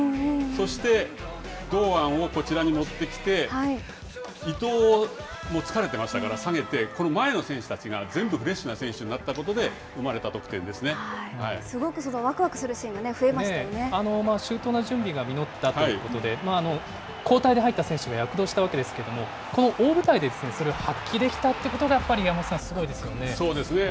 そして、堂安をこちらに持ってきて、伊東を、もう疲れてましたから下げて、この前の選手たちが全部フレッシュな選手になったことで生まれたすごくわくわくするシーンが周到な準備が実ったということで、交代で入った選手が躍動したわけですけれども、この大舞台でそれを発揮できたってことがやっぱりそうですね。